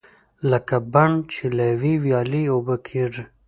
لکه بڼ چې له یوې ویالې اوبه کېږي.